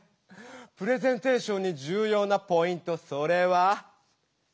プレゼンテーションにじゅうようなポイントそれは。